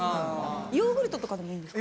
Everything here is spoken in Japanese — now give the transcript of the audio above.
ヨーグルトとかでもいいんですか？